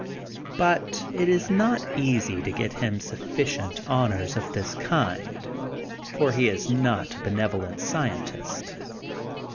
But it is not always easy to get him sufficient honors of this kind for he is not a benevolent scien tist.